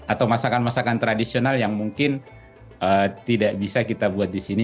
atau masakan masakan tradisional yang mungkin tidak bisa kita buat di sini